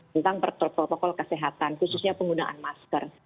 tentang protokol kesehatan khususnya penggunaan masker